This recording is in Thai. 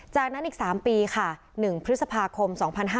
จากนั้นอีก๓ปีค่ะ๑พฤษภาคม๒๕๕๙